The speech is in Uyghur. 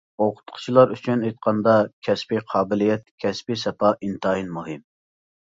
ئوقۇتقۇچىلار ئۈچۈن ئېيتقاندا، كەسپىي قابىلىيەت، كەسپىي ساپا ئىنتايىن مۇھىم.